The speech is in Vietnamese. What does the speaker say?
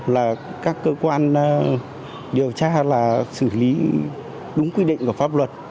là các cơ quan điều tra là xử lý đúng quy định của pháp luật